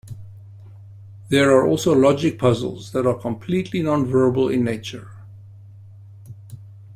There are also logic puzzles that are completely non-verbal in nature.